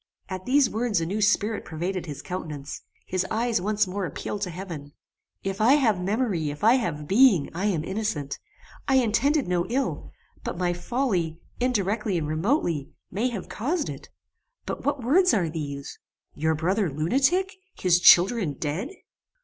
At these words a new spirit pervaded his countenance. His eyes once more appealed to heaven. "If I have memory, if I have being, I am innocent. I intended no ill; but my folly, indirectly and remotely, may have caused it; but what words are these! Your brother lunatic! His children dead!"